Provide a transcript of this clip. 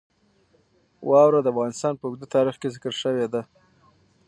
واوره د افغانستان په اوږده تاریخ کې ذکر شوی دی.